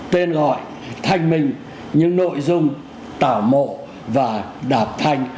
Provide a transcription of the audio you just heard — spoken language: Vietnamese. tên gọi thanh minh những nội dung tảo mộ và đạp thanh